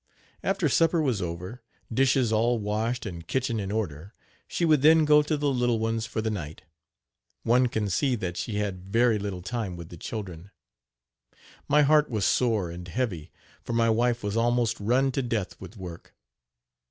After supper was over, dishes all washed and kitchen in order, she would then go to the little ones for the night. One can see that she had very little time with the children. My heart was sore and heavy, for my wife was almost run to death with work.